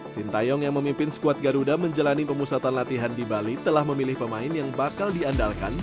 sintayong yang memimpin squad garuda menjalani pemusatan latihan di bali telah memilih pemain yang bakal diandalkan